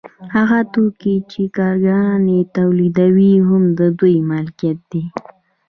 هغه توکي چې کارګران یې تولیدوي هم د دوی ملکیت دی